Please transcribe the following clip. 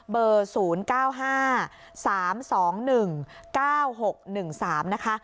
เบอร์๐๙๕๓๒๑๙๖๑๓นะคะ